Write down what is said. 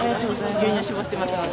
牛乳搾ってますので。